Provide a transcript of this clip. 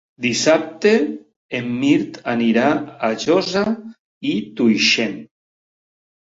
Dissabte en Mirt anirà a Josa i Tuixén.